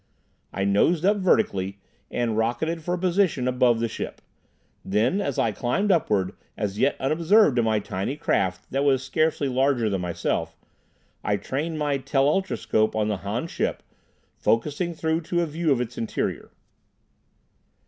I nosed up vertically, and rocketed for a position above the ship. Then as I climbed upward, as yet unobserved in my tiny craft that was scarcely larger than myself, I trained my telultroscope on the Han ship, focussing through to a view of its interior.